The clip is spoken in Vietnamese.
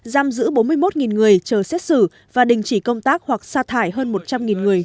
giam giữ bốn mươi một người chờ xét xử và đình chỉ công tác hoặc xa thải hơn một trăm linh người